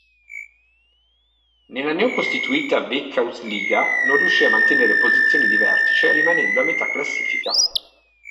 Nella neo-costituita Veikkausliiga non riuscì a mantenere posizioni di vertice, rimanendo a metà classifica.